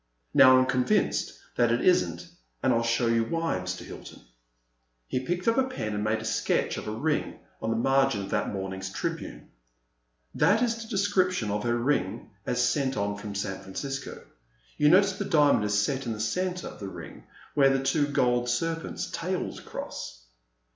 Now I am convinced that it is n't, and I '11 show you why, Mr. Hilton." He picked up a pen and made a sketch of a ring on a margin of that morning's Tribune, That is the description of her ring as sent on from San Francisco. You notice the diamond is set in the centre of the ring where the two gold serpents' tails cross